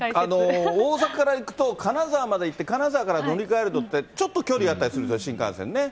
大阪から行くと、金沢まで行って、金沢から乗り換えるのって、ちょっと距離あったりするんです